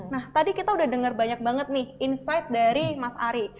nah tadi kita udah dengar banyak banget nih insight dari mas ari